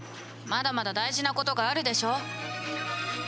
まだまだ大事なことがあるでしょ？